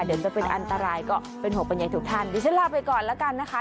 เดี๋ยวจะเป็นอันตรายก็เป็นห่วงบรรยายทุกท่านดิฉันลาไปก่อนแล้วกันนะคะ